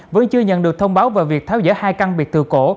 vẫn chưa nhận được thông báo về việc tháo dỡ hai căn biệt từ cổ